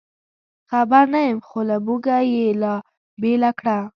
خبر نه یم، خو له موږه یې لار بېله کړه.